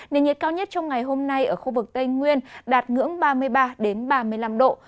nền nhiệt cao nhất trong ngày hôm nay ở khu vực tây nguyên đạt ngưỡng ba mươi ba ba mươi năm độ